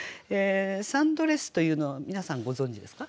サンドレスというのは皆さんご存じですか？